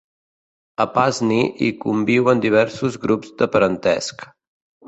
A Pasni hi conviuen diversos grups de parentesc.